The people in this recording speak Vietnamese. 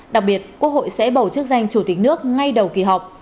đặc biệt quốc hội sẽ bầu chức danh chủ tịch nước ngay đầu kỳ họp